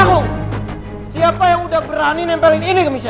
nahong siapa yang udah berani nempelin ini ke michel